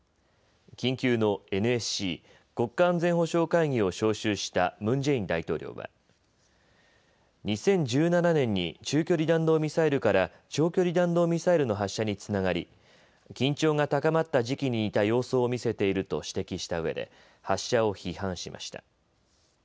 緊急のＮＳＣ・国家安全保障会議を招集したムン・ジェイン大統領は２０１７年に中距離弾道ミサイルから長距離弾道ミサイルの発射につながり緊張が高まった時期に似た様相を見せていると指摘したうえで発射を批判しました。